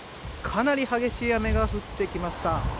かなり激しい雨が降ってきました。